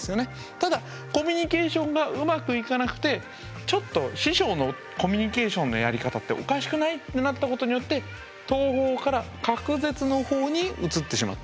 ただコミュニケーションがうまくいかなくてちょっと師匠のコミュニケーションのやり方っておかしくない？ってなったことによって統合から隔絶のほうに移ってしまった。